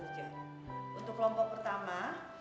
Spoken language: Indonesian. untuk kelompok pertama